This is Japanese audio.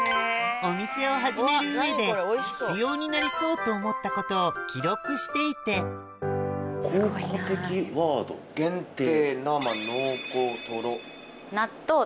お店を始める上で必要になりそうと思ったことを記録していて「限定生濃厚とろ」。